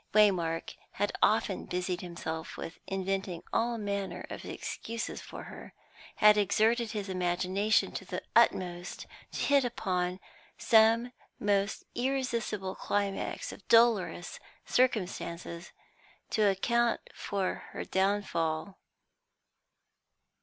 Waymark had often busied himself with inventing all manner of excuses for her, had exerted his imagination to the utmost to hit upon some most irresistible climax of dolorous circumstances to account for her downfall.